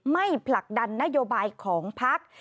ผลักดันนโยบายของพัก